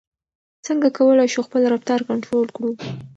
څنګه کولای شو خپل رفتار کنټرول کړو؟